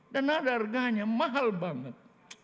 dan ada harganya mahal banget